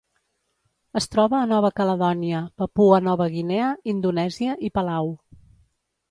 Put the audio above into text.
Es troba a Nova Caledònia, Papua Nova Guinea, Indonèsia i Palau.